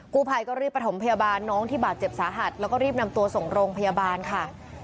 ผู้ภัยก็รีบประถมพยาบาลน้องที่บาดเจ็บสาหัสแล้วก็รีบนำตัวส่งโรงพยาบาลค่ะ